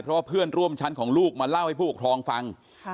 เพราะว่าเพื่อนร่วมชั้นของลูกมาเล่าให้ผู้ปกครองฟัง